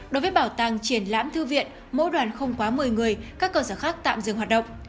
đối với bảo tàng triển lãm thư viện mỗi đoàn không quá một mươi người các cơ sở khác tạm dừng hoạt động